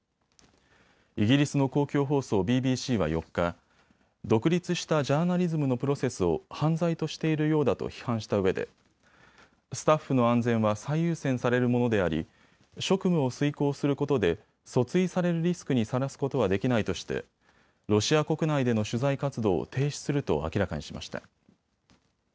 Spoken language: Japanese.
イギリスの公共放送ＢＢＣは４日、独立したジャーナリズムのプロセスを犯罪としているようだと批判したうえでスタッフの安全は最優先されるものであり職務を遂行することで訴追されるリスクにさらすことはできないとしてロシア国内での取材活動を停止すると明らかにしました。